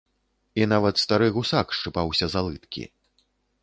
І нават стары гусак шчыпаўся за лыткі.